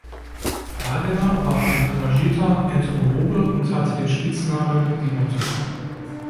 Wagener war ein engagierter Entomologe und hatte den Spitznamen „die Motte“.